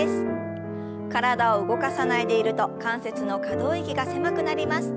体を動かさないでいると関節の可動域が狭くなります。